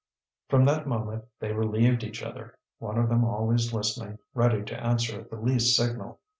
From that moment they relieved each other, one of them always listening, ready to answer at the least signal.